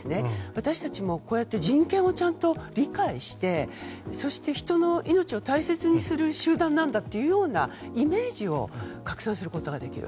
私たちも人権をちゃんと理解してそして人の命を大切にする集団なんだというようなイメージを拡散することができる。